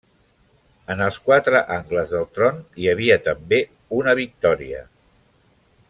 En els quatre angles del tron hi havia també una Victòria.